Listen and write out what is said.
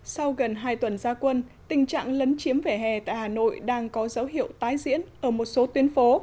sau gần hai tuần gia quân tình trạng lấn chiếm vỉa hè tại hà nội đang có dấu hiệu tái diễn ở một số tuyến phố